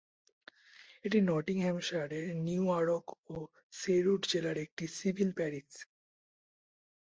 এটি নটিংহ্যামশায়ারের নিউয়ারক ও শেরউড জেলার একটি সিভিল প্যারিশ।